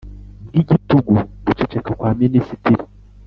Bw igitugu guceceka kwa minisitiri